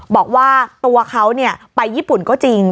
บอกว่าตัวเขาไปญี่ปุ่นก็จริง